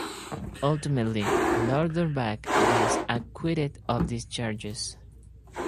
Ultimately, Louderback was acquitted of these charges.